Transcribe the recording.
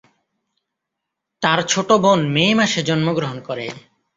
তার ছোট বোন মে মাসে জন্মগ্রহণ করে।